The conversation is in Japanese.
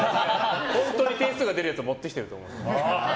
本当に点数が出るやつを持ってきてると思う。